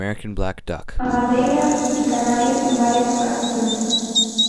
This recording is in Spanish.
A Madeira y Canarias en varias ocasiones.